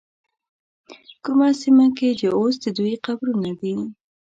کومه سیمه کې چې اوس د دوی قبرونه دي.